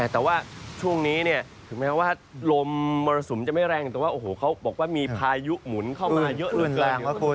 แต่ว่าช่วงนี้ถึงแม้ว่าลมมรสุมจะไม่แรงแต่ว่าโอ้โหเขาบอกว่ามีพายุหมุนเข้ามาเยอะเหลือเกิน